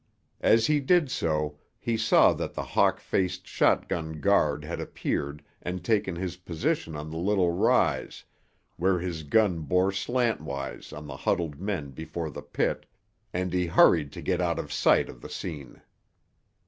As he did so he saw that the hawk faced shotgun guard had appeared and taken his position on the little rise where his gun bore slantwise on the huddled men before the pit, and he hurried to get out of sight of the scene.